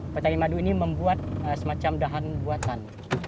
petani madu ini membuat semacam dahan buatan